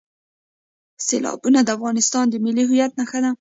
سیلابونه د افغانستان د ملي هویت نښه ده.